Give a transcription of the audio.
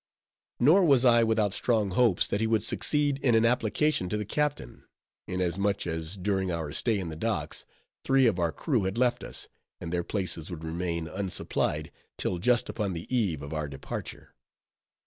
Nor was I without strong hopes that he would succeed in an application to the captain; inasmuch as during our stay in the docks, three of our crew had left us, and their places would remain unsupplied till just upon the eve of our departure.